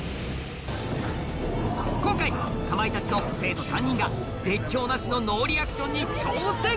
今回かまいたちと生徒３人が絶叫なしのノーリアクションに挑戦！